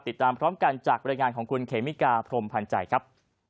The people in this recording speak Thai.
ติดตามพร้อมกันจากบรรยายงานของคุณเขมิกาพรมพันธ์ใจครับ